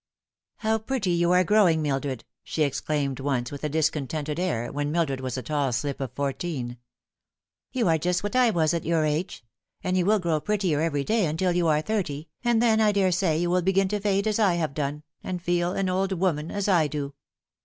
''How pretty you are growing, Mildred!" she exclaimed once, with a discontented air, when Mildred was a tail slip of four teen. " You are just what I was at your age. And you will grow prettier every day until you are thirty, and then I daresay 64 The Fatal Three. you will begin to fade as I have done, and feel an old woman, as I do."